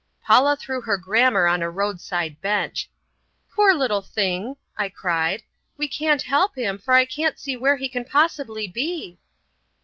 Paula threw her grammar on a road side bench. "Poor little thing," I cried, "we can't help him, for I can't see where he can possibly be."